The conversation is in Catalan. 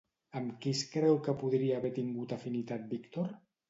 Amb qui es creu que podria haver tingut afinitat Víctor?